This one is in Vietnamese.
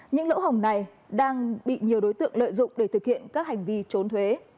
những lỗ hồng này đang bị nhiều đối tượng lợi dụng để thực hiện các hành vi trốn thuế